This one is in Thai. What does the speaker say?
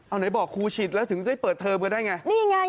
อ้าวไหนบอกครูฉีดแล้วถึงได้เปิดเทอมก็ได้ยังไง